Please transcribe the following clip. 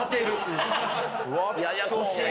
⁉ややこしい。